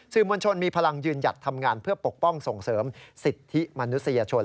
มวลชนมีพลังยืนหยัดทำงานเพื่อปกป้องส่งเสริมสิทธิมนุษยชน